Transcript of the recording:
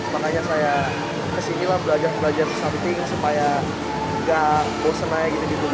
makanya saya kesinilah belajar belajar sesuatu supaya nggak bosan aja gitu gitu